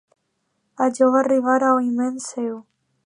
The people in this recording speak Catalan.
Allò va arribar a oïment seu.